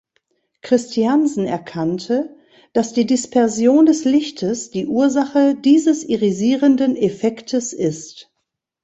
Christiansen erkannte, dass die Dispersion des Lichtes die Ursache dieses irisierenden Effektes ist.